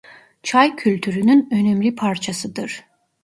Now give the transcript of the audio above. Çay kültürünün önemli parçasıdır.